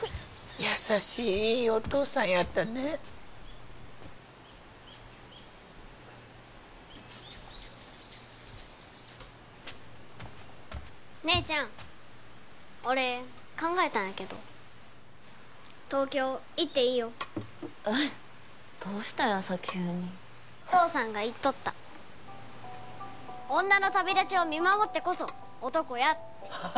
優しいいいお父さんやったね姉ちゃん俺考えたんやけど東京行っていいよえっどうしたんやさ急にお父さんが言っとった女の旅立ちを見守ってこそ男やってはあ？